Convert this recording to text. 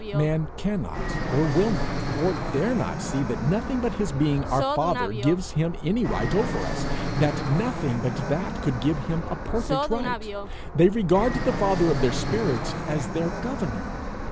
Men cannot, or will not, or dare not see that nothing but his being our father gives him any right over us that nothing but that could give him a perfect right. They regard the father of their spirits as their governor!